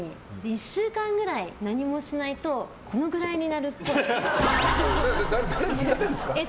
１週間ぐらい何もしないとこのぐらいになるっぽい。